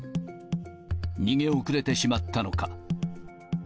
逃げ遅れてしまったのか。